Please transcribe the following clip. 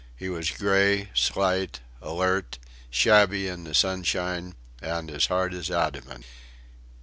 He was grey, slight, alert, shabby in the sunshine, and as hard as adamant.